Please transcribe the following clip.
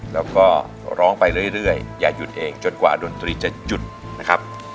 แล้วก็ร้องไปเรื่อยอย่าหยุดเองจนกว่าดนตรีจะหยุดนะครับ